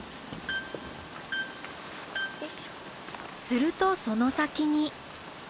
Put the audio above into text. するとその先に。